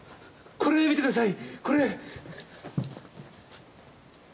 これを見てください！